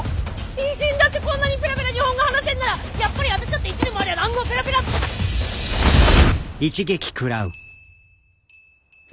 異人だってこんなにペラペラ日本語が話せるんならやっぱり私だって１年もあれば蘭語をペラペラっと！